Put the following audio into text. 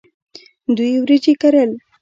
دوی وریجې کرل.